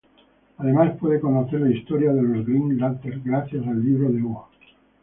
Además puede conocer la historia de los Green Lantern gracias al libro de Oa.